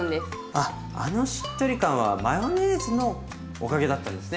あっあのしっとり感はマヨネーズのおかげだったんですね。